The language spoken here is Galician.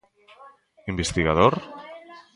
¿Investigador?